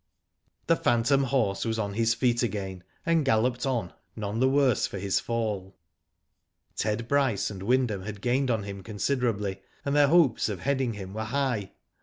The phantom horse was on his feet again, and galloped on none the worse for his fall. Ted Bryce and Wyndham had gained on him considerably, and their hopes of heading him were high.